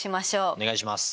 お願いします。